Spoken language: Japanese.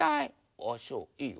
ああそういいよ。